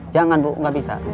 jangan bu nggak bisa